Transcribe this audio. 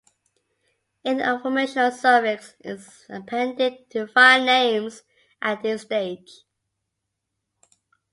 An informational suffix is appended to filenames at this stage.